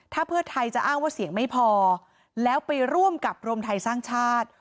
ถ้าเพื่อไทยจะอ้างว่าเสียงไม่พอแล้วไปร่วมกับรวมไทยสร้างชาติ